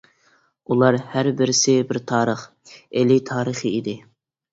ئۇلار ھەر بىرسى بىر تارىخ، ئىلى تارىخى ئىدى.